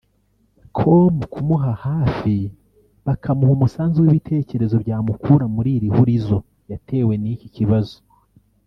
com kumuba hafi bakamuha umusanzu w’ibitekerezo byamukura muri iri hurizo yatewe n’iki kibazo